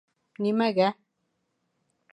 Нимәгә?